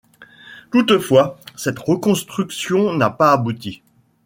Toutefois, cette reconstruction n'a pas abouti.